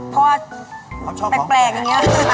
เพราะว่าแปลกอย่างนี้